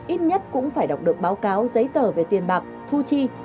ít nhất cũng phải đọc được báo cáo giấy tờ về tiền bạc thu chi